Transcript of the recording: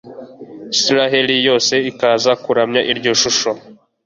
israheli yose ikaza kuramya iryo shusho